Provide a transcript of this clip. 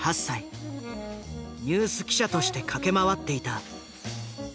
ニュース記者として駆け回っていた。